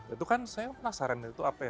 itu kan saya penasaran itu apa ya